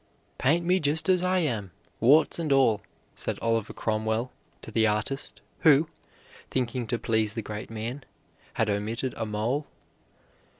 "Paint me just as I am, warts and all," said Oliver Cromwell to the artist who, thinking to please the great man, had omitted a mole.